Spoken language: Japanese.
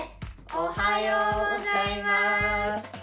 おはようございます。